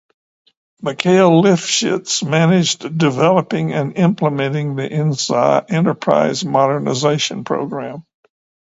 Mikhail Lifshitz managed developing and implementing the enterprise modernization program.